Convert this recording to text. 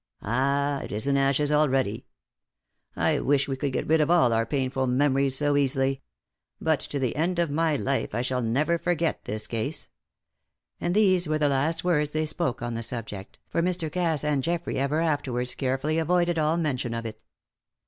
Ah, it is in ashes already! I wish we could get rid of all our painful memories so easily!" But to the end of my life I shall never forget this case. And these were the last words they spoke on the subject, for both Mr. Cass and Geoffrey ever afterwards carefully avoided all mention of it.